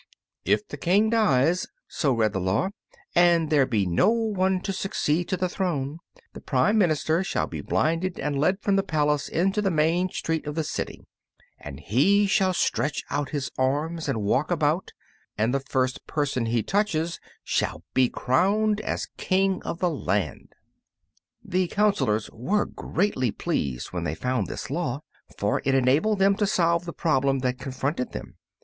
"If the King dies," so read the law, "and there be no one to succeed to the throne, the prime minister shall be blinded and led from the palace into the main street of the city. And he shall stretch out his arms and walk about, and the first person he touches shall be crowned as King of the land." The councilors were greatly pleased when they found this law, for it enabled them to solve the problem that confronted them.